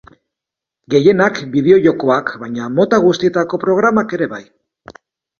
Gehienak bideo-jokoak, baina mota guztietako programak ere bai.